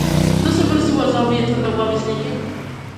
Што се врзува за овие тврдоглави слики?